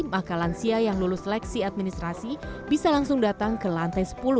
maka lansia yang lulus seleksi administrasi bisa langsung datang ke lantai sepuluh